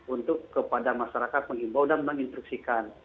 untuk kepada masyarakat mengimbau dan menginstruksikan